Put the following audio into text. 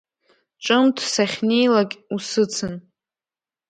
Ҿымҭ сахьнеилакь усыцын.